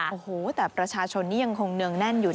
โอ้โหแต่ประชาชนนี้ยังคงเนืองแน่นอยู่